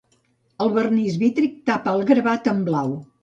El vernís vítric tapa el gravat en blau.